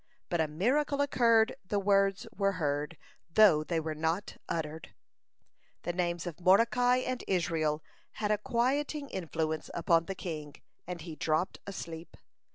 But a miracle occurred the words were heard though they were not uttered! The names of Mordecai and Israel had a quieting influence upon the king, and he dropped asleep.